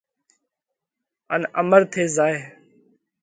ان امر ٿي زائه۔